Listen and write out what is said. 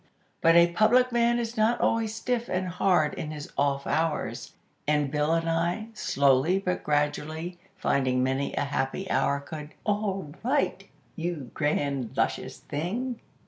But a public man is not always stiff and hard in his off hours; and Bill and I, slowly but gradually finding many a happy hour could "All right, you grand, luscious thing!!"